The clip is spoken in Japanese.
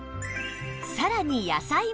さらに野菜も